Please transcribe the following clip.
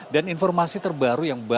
dan informasi terbaru yang berikutnya